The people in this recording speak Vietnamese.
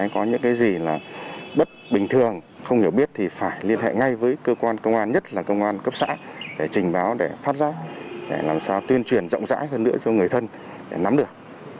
có những cái gì là bất bình thường không hiểu biết thì phải liên hệ ngay với cơ quan công an nhất là công an cấp xã để trình báo để phát giác để làm sao tuyên truyền rộng rãi hơn nữa cho người thân để nắm được